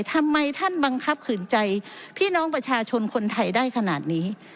ทำไมท่านบังคับขืนใจพี่น้องประชาชนคนไทยได้ขนาดนี้